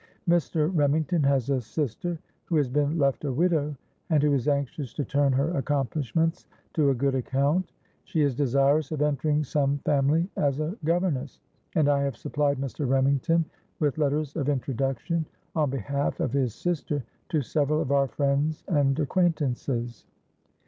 Mr. Remington has a sister who has been left a widow, and who is anxious to turn her accomplishments to a good account. She is desirous of entering some family as a governess; and I have supplied Mr. Remington with letters of introduction on behalf of his sister to several of our friends and acquaintances.